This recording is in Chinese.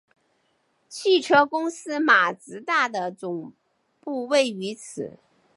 汽车公司马自达的总部位于此。